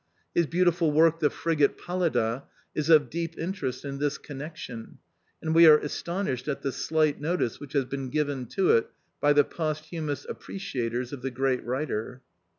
His beautiful work, The Frigate * Palladaj is of deep interest in this connection, and we are astonished at the slight notice which has been given to it by the posthumous appreciators of the great writer.